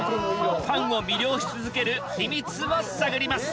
ファンを魅了し続ける秘密を探ります！